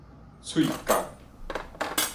喙角